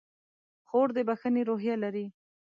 خور د بښنې روحیه لري.